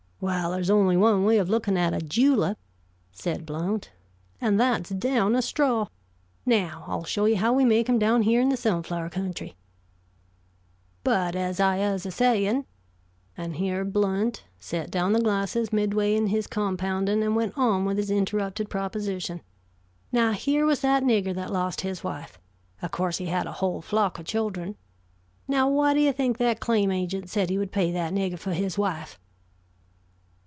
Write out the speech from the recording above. "Well, there's only one way of looking at a julep," said Blount, "and that's down a straw. Now, I'll show you how we make them down here in the Sunflower country. "But, as I as a sayin'" and here Blount set down the glasses midway in his compounding, and went on with his interrupted proposition, "now here was that nigger that lost his wife. Of course he had a whole flock of children. Now, what do you think that claim agent said he would pay that nigger for his wife?"